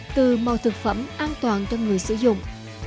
từ màu thực phẩm an toàn cho người sử dụng